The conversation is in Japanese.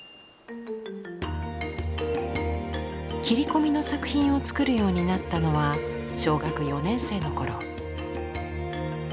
切り込みの作品を作るようになったのは小学４年生の頃。